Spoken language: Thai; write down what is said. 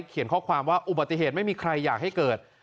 เขียนข้อความว่าอุบัติเหตุไม่มีใครอยากให้เกิด